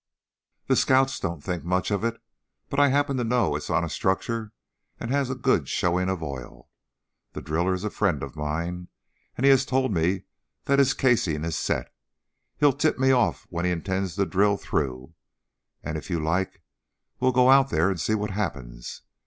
"The scouts don't think much of it, but I happen to know it is on a structure and has a good showing of oil. The driller is a friend of mine, and he has told me that his casing is set. He'll tip me off when he intends to drill through, and if you like we'll go out there and see what happens.